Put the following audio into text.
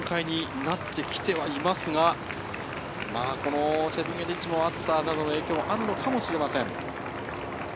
意外な展開になってきてはいますが、チェプンゲティッチも暑さなどの影響もあるかもしれません。